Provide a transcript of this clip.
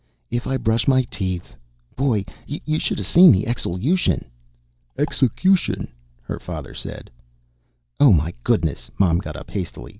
"If I brush my teeth. Boy, you shoulda seen the exelution!" "Execution," her father said. "Oh, my goodness!" Mom got up hastily.